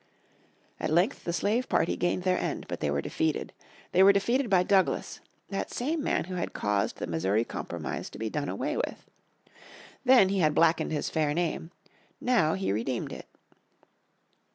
At length the slave party gained their end, but they were defeated. They were defeated by Douglas, that same man who had caused the Missouri Compromise to be done away with. Then he had blackened his name, now he redeemed it.